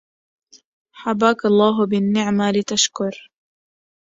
حباك الله بالنعما لتشكر